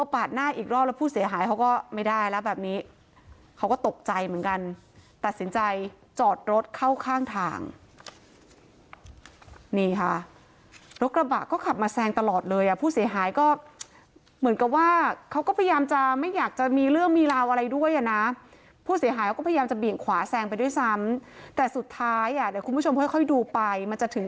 อีกรอบแล้วผู้เสียหายเขาก็ไม่ได้แล้วแบบนี้เขาก็ตกใจเหมือนกันตัดสินใจจอดรถเข้าข้างทางนี่ค่ะรถกระบะก็ขับมาแซงตลอดเลยอ่ะผู้เสียหายก็เหมือนกับว่าเขาก็พยายามจะไม่อยากจะมีเรื่องมีราวอะไรด้วยอ่ะนะผู้เสียหายเขาก็พยายามจะเบี่ยงขวาแซงไปด้วยซ้ำแต่สุดท้ายอ่ะเดี๋ยวคุณผู้ชมค่อยค่อยดูไปมันจะถึง